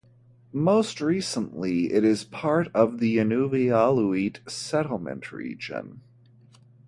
Most recently, it is part of the Inuvialuit Settlement Region.